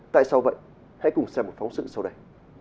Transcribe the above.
tại sao vậy hãy cùng xem một phóng sự sau đây